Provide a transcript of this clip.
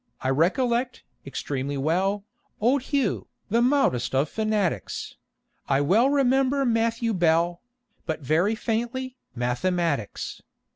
I recollect, extremely well, "Old Hugh," the mildest of fanatics; I well remember Matthew Bell, But very faintly, Mathematics.